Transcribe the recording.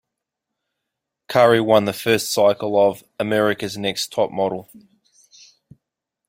Curry won the first cycle of "America's Next Top Model".